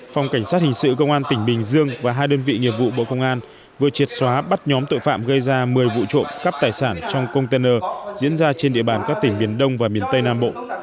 phòng cảnh sát hình sự công an tỉnh bình dương và hai đơn vị nghiệp vụ bộ công an vừa triệt xóa bắt nhóm tội phạm gây ra một mươi vụ trộm cắp tài sản trong container diễn ra trên địa bàn các tỉnh miền đông và miền tây nam bộ